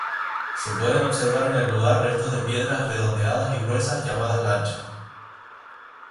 Se pueden observar en el lugar restos de piedras redondeadas y gruesas llamadas lanchas.